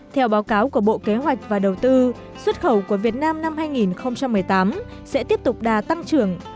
theo báo cáo của bộ kế hoạch và đầu tư xuất khẩu của việt nam năm hai nghìn một mươi tám sẽ tiếp tục đà tăng trưởng